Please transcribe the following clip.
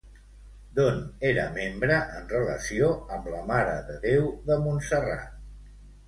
D'on era membre en relació amb la Mare de Déu de Montserrat?